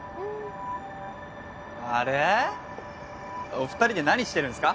お二人で何してるんすか？